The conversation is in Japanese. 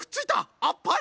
あっぱれ！